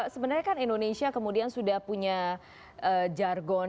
sebenarnya kan indonesia kemudian sudah punya jargon